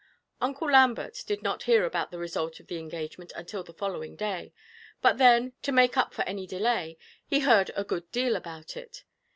Uncle Lambert did not hear about the result of the engagement until the following day, but then, to make up for any delay, he heard a good deal about it.